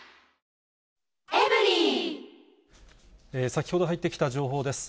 先ほど入ってきた情報です。